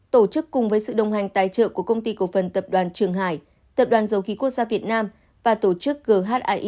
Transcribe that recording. tổ chức cùng với sự đồng hành tài trợ của công ty cổ phần tập đoàn trường hải tập đoàn dầu khí quốc gia việt nam và tổ chức ghie